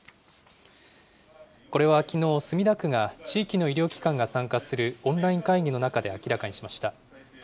これはきのう、墨田区が地域の医療機関が参加するオンライン会議の中で明らかにしました。